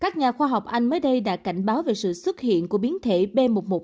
các nhà khoa học anh mới đây đã cảnh báo về sự xuất hiện của biến thể b một một năm trăm hai mươi chín